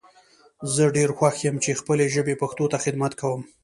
زه ډیر خوښ یم چی خپلې ژبي پښتو ته خدمت کوم